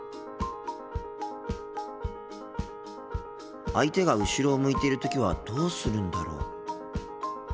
心の声相手が後ろを向いている時はどうするんだろう？